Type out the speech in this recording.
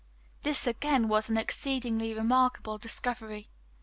This again was an exceedingly remarkable discovery.